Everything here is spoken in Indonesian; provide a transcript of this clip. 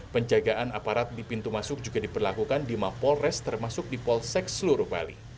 penjagaan aparat di pintu masuk juga diperlakukan di mapolres termasuk di polsek seluruh bali